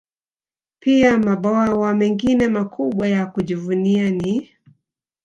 Pia mabwawa mengine makubwa ya kujivunia ni